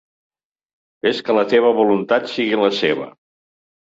Fes que la teva voluntat sigui la seva.